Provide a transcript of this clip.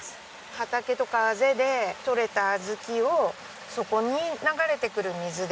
畑とかあぜでとれた小豆をそこに流れてくる水で炊く。